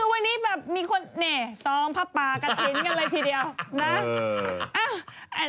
ไหนคุณ